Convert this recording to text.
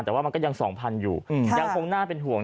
แต่ว่ามันก็ยัง๒๐๐๐อยู่ยังคงน่าเป็นห่วง